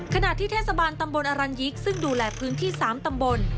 ขณะที่เทศบาลตำบลอรัญยิกซึ่งดูแลพื้นที่๓ตำบล